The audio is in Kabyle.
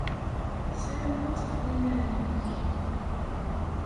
Ssarameɣ ad tafeḍ iman-nnek.